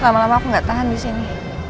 lama lama aku nggak tahan di sini